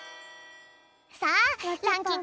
さあランキング